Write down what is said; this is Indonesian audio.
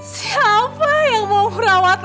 siapa yang mau merawat